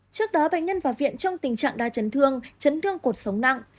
trước đó bệnh nhân vào viện trong tình trạng đa chấn thương chấn thương cuộc sống nặng